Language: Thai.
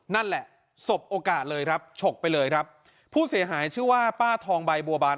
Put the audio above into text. นั่นแหละสบโอกาสเลยครับฉกไปเลยครับผู้เสียหายชื่อว่าป้าทองใบบัวบาน